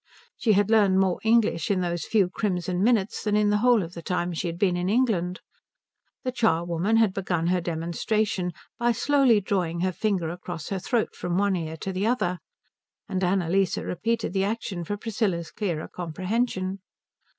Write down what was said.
She had learned more English in those few crimson minutes than in the whole of the time she had been in England. The charwoman had begun her demonstration by slowly drawing her finger across her throat from one ear to the other, and Annalise repeated the action for Priscilla's clearer comprehension.